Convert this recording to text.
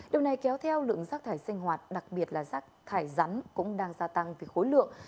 điều này kéo theo lượng rác thải sinh hoạt đặc biệt là rác thải rắn cũng đang gia tăng về khối lượng